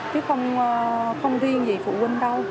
chứ không riêng gì phụ huynh đâu